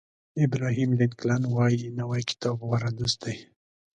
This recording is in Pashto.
ابراهیم لینکلن وایي نوی کتاب غوره دوست دی.